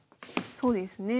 そうですね。